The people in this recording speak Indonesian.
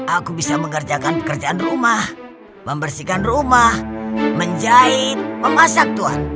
aku bisa mengerjakan pekerjaan rumah membersihkan rumah menjahit memasak tuan